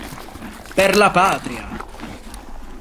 Per la Patria!